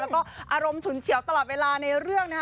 แล้วก็อารมณ์ฉุนเฉียวตลอดเวลาในเรื่องนะคะ